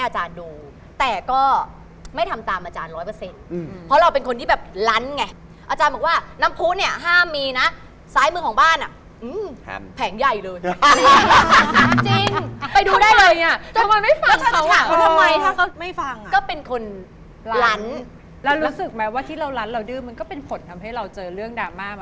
ใช้คำว่าเปิดทาง